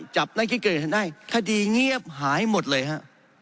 จับนักคิดเกิดได้คดีเงียบหายหมดเลยฮะ